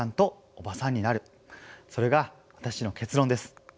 それが私の結論です。